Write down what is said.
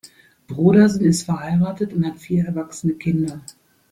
Brodersen ist verheiratet und hat vier erwachsene Kinder.